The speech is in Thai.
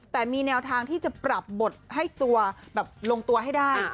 แต่มีแนวทางที่จะปรับบทให้ตัวแบบลงตัวให้ได้